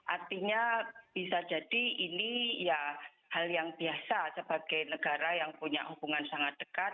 artinya bisa jadi ini ya hal yang biasa sebagai negara yang punya hubungan sangat dekat